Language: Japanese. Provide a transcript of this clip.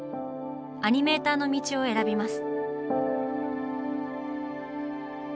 アニメーターの道を選びます。